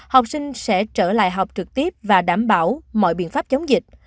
học sinh sẽ trở lại học trực tiếp và đảm bảo mọi biện pháp chống dịch